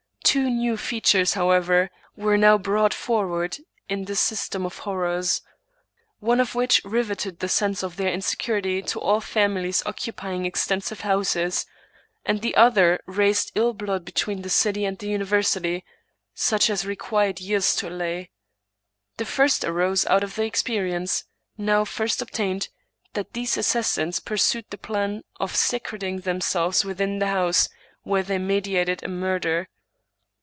Two new features, however, were now brought forward in this system of horrors, one of which •riveted the sense of their insecurity to all families occupying Extensive houses, and the other raised ill blood between the city and the university, such as required years to allay. The first arose out of the experience, now first obtained, that these assassins pursued the plan of secreting themselves within the house where they meditated a murder.